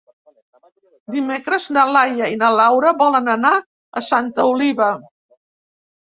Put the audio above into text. Dimecres na Laia i na Laura volen anar a Santa Oliva.